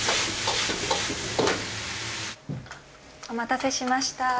お待たせしました。